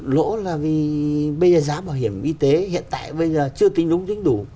lỗ là vì bây giờ giá bảo hiểm y tế hiện tại bây giờ chưa tính đúng tính đủ